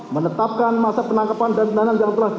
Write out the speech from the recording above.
menetapkan masa penangkapan dan penahanan yang telah dilakukan